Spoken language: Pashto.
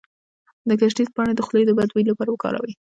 د ګشنیز پاڼې د خولې د بد بوی لپاره وکاروئ